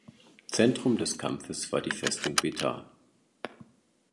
Zentrum des Kampfes war die Festung Betar.